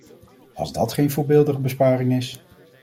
Als dat geen voorbeeldige besparing is!